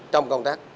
trong công tác